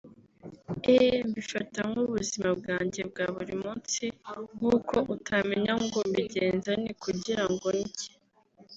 Eeeh Mbifata nk’ubuzima bwanjye bwa buri munsi nk’uko utamenya ngo mbigenza nte kugirango ndye